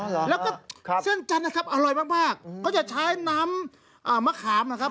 และก็เส้นจันทร์นะครับอร่อยมากก็จะใช้น้ำมะขามนะครับ